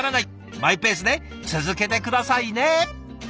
マイペースで続けて下さいね。